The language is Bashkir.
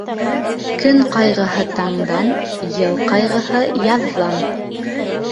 Көн ҡайғыһы таңдан, йыл ҡайғыһы яҙҙан.